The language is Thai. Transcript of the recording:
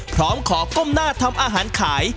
พร้อมขอก้มหน้าทำอาหารขาย